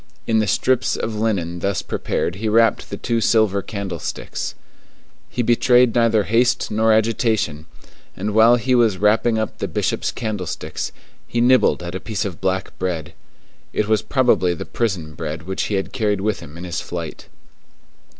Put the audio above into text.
In the strips of linen thus prepared he wrapped the two silver candlesticks. He betrayed neither haste nor agitation; and while he was wrapping up the Bishop's candlesticks, he nibbled at a piece of black bread. It was probably the prison bread which he had carried with him in his flight.